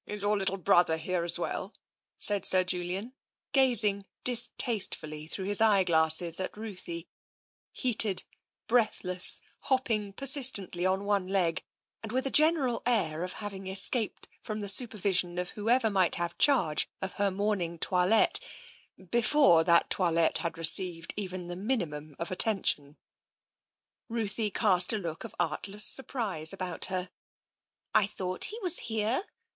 Is your little brother here as well ?" said Sir Julian, gazing distastefully through his eye glasses at Ruthie, heated, breathless, hopping persistently on one leg, and with a general air of having escaped from the supervision of whoever might have charge of her morn ing toilette before that toilette had received even the minimum of attention. Ruthie cast a look of artless surprise about her. " I thought he was here.